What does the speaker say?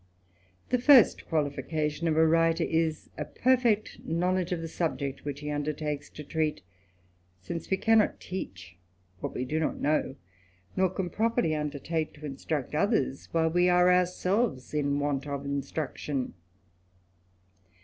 The first qualification of a writer, is a perfect knowledge of the subject which he undertakes to treat ; since we cannot teach what we do not know, nor can properly undertake to THE ADVENTURER. 255 instruct others while we are ourselves in want of instruction.